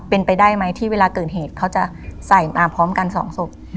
เป็นไปได้ไหมที่เวลาเกิดเหตุเขาจะใส่มาพร้อมกันสองศพ